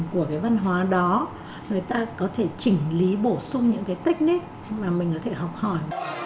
của cái văn hóa đó người ta có thể chỉnh lý bổ sung những cái techniq mà mình có thể học hỏi